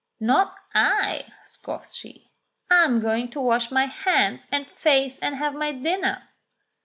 "Not I," scoffs she. "I'm going to wash my hands and face and have my dinner."